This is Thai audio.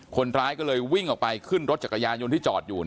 คนร้ายก็เลยวิ่งออกไปขึ้นรถจักรยานยนต์ที่จอดอยู่